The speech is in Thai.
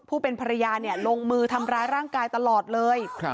เป็นภรรยาลงมือทำร้ายร่างกายตลอดเลย